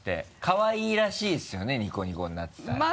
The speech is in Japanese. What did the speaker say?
かわいらしいですよねニコニコになってたら。